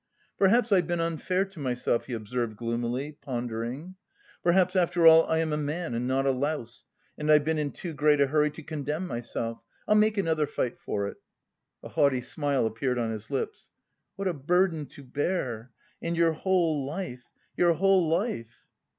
"Perhaps I've been unfair to myself," he observed gloomily, pondering, "perhaps after all I am a man and not a louse and I've been in too great a hurry to condemn myself. I'll make another fight for it." A haughty smile appeared on his lips. "What a burden to bear! And your whole life, your whole life!"